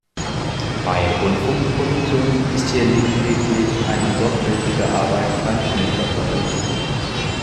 Bei Rundfunkproduktionen ist hier lediglich eine sorgfältige Arbeit beim Schnitt erforderlich.